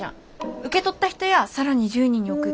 受け取った人や更に１０人に送って。